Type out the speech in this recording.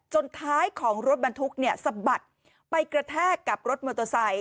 ท้ายของรถบรรทุกเนี่ยสะบัดไปกระแทกกับรถมอเตอร์ไซค